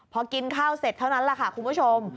พอกินข้าวเสร็จเท่านั้นแหละค่ะคุณผู้ชม